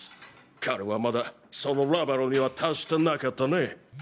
彼はまだそのレベルには達してなかったね。